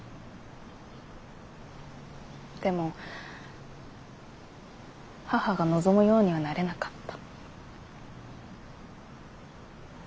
でも母が望むようにはなれなかった。